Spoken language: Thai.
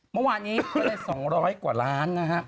เมื่อวานนี้ก็เลย๒๐๐กว่าล้านนะฮะ